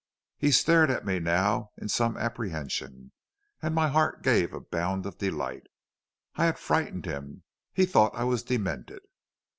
"He stared at me now in some apprehension, and my heart gave a bound of delight. I had frightened him. He thought I was demented.